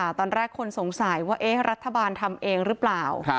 ตอนแรกคนสงสัยว่าเอ๊ะรัฐบาลทำเองหรือเปล่า